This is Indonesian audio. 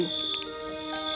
api melayang dari tangannya